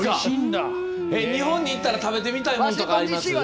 日本に行ったら食べてみたいものとかあります？